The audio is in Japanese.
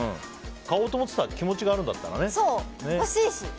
買おうと思ってた気持ちがあるんだったら。